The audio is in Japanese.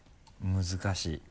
難しい。